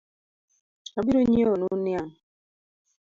Abironyieonu niang’